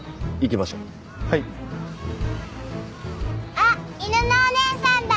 あっ犬のおねえさんだ！